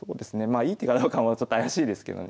いい手かどうかもちょっと怪しいですけどね。